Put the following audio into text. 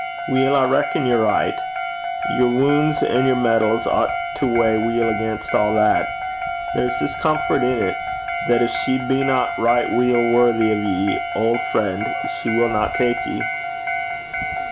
'Weel, I reckon ye're richt. Yer wounds an' yer medals ought to weigh weel against a' that. There's this comfort in 't, that gin she bena richt weel worthy o' ye, auld frien', she winna tak ye.'